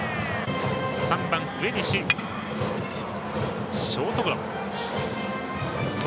３番、植西、ショートゴロ。